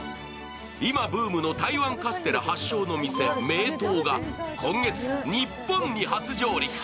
今、ブームの台湾カステラ発祥の店、名東が今月、日本に初上陸。